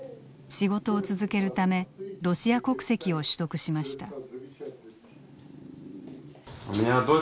仕事を続けるためロシア国籍を取得しました。